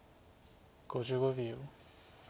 ５５秒。